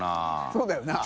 そうだよな。